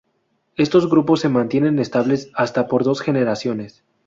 Estos grupos se mantienen estables hasta por dos generaciones.